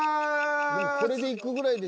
［これでいくぐらいで］